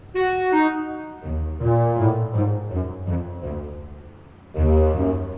dialog yang terakhir